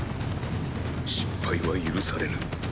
失敗は許されぬ。